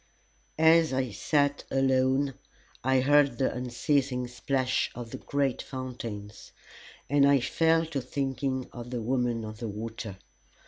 As I sat alone I heard the unceasing splash of the great fountains, and I fell to thinking of the Woman of the Water.